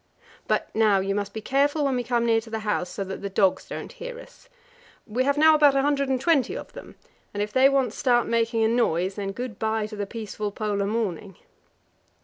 But now you must be careful when we come near to the house, so that the dogs don't hear us. We have now about a hundred and twenty of them, and if they once start making a noise, then good bye to the peaceful Polar morning.